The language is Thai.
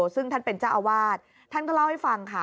ซึ่งท่านเป็นเจ้าอาวาสท่านก็เล่าให้ฟังค่ะ